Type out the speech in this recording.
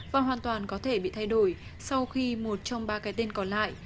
và hoàn toàn có thể bị thay đổi sau khi một trong ba cái tên còn lại